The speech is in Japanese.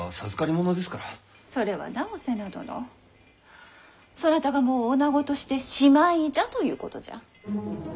それはなお瀬名殿そなたがもうおなごとしてしまいじゃということじゃ。